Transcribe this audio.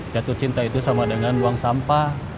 jatuh cinta itu sama dengan buang sampah